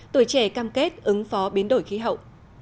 tuổi trẻ cam kết ứng phó biến đổi khí hậu